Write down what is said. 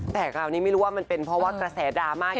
แต่คราวนี้ไม่รู้ว่ามันเป็นเพราะว่ากระแสดราม่า